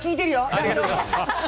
ありがとうございます。